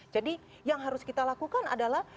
jadi yang harus kita lakukan adalah